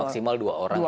maksimal dua orang